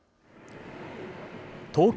東京